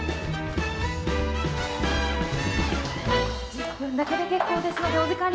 １０分だけで結構ですのでお時間ありましたら。